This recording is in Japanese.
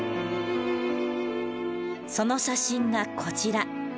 その写真がこちら。